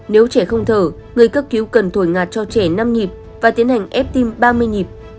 nếu trẻ không thở người cấp cứu cần thổi ngạt cho trẻ năm nhịp và tiến hành ép tim ba mươi nhịp